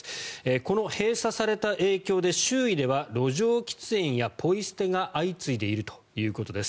この閉鎖された影響で周囲では路上喫煙やポイ捨てが相次いでいるということです。